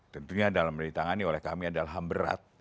tentunya dalam menitangani kami adalah ham berat